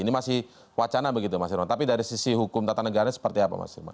ini masih wacana begitu mas irman tapi dari sisi hukum tata negara seperti apa mas irman